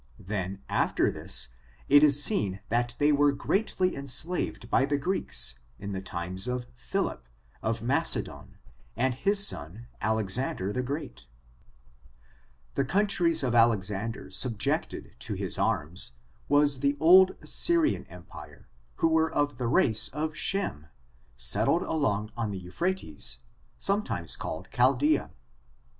Then after this, it is seen that they were greatly en slaved by the Greeks, in the times of Philip, of Mac edon and his son, Alexander the Great, 1 I FORTUNES, OF THE NEGRO RACE. 287 The countries Alexander subjected to his arms, vras the old Assyrian empire, who were of the race of Shem^ settled along on the Euphrates, sometimes called Chaldea.